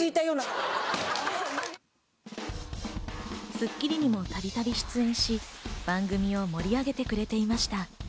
『スッキリ』にもたびたび出演し、番組を盛り上げてくれていました。